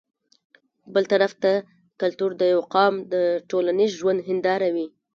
بل طرف ته کلتور د يو قام د ټولنيز ژوند هنداره وي